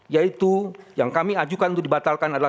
yaitu yang kami ajukan untuk dibatalkan adalah